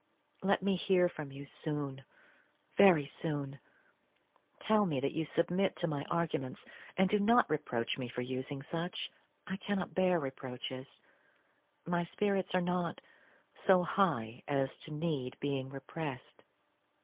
Let me hear from you soon—very soon. Tell me that you submit to my arguments, and do not reproach me for using such. I cannot bear reproaches: my spirits are not so high as to need being repressed.